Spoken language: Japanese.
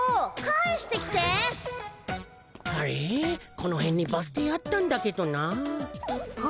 このへんにバス停あったんだけどなあ。